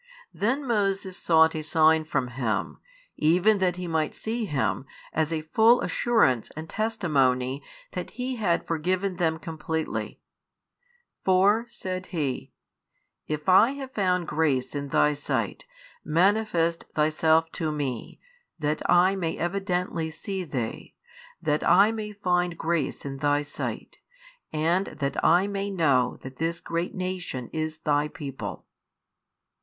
Then Moses sought a sign from Him, even that he might see Him, as a full assurance and testimony that He had forgiven them completely: For, said he, if I have found grace in Thy sight, manifest Thyself to me; that I may evidently see Thee, that I may find grace in Thy sight, and that I may know that this great nation is Thy people.